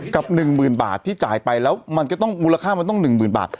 กับหนึ่งหมื่นบาทที่จ่ายไปแล้วมูลค่ามันก็ต้องหนึ่งหมื่นบาท